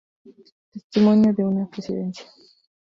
Testimonio de una Presidencia.